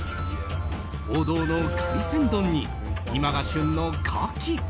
王道の海鮮丼に、今が旬のカキ